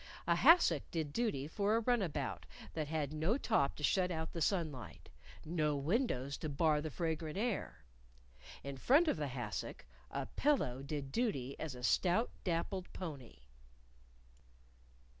A hassock did duty for a runabout that had no top to shut out the sun light, no windows to bar the fragrant air. In front of the hassock, a pillow did duty as a stout dappled pony.